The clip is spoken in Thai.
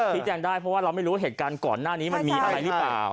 ที่แจ้งได้เพราะว่าเราไม่รู้ว่าเหตุการณ์ก่อนหน้านี้มันมีอะไรหรือเปล่า